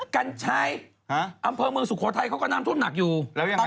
กัญชัยฮะอำเภอเมืองสุโขทัยเขาก็น้ำท่วมหนักอยู่แล้วยังไง